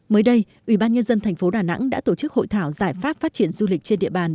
mới đây ubnd tp đà nẵng đã tổ chức hội thảo giải pháp phát triển du lịch trên địa bàn